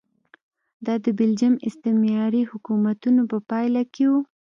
دا د بلجیم استعماري حکومتونو په پایله کې و.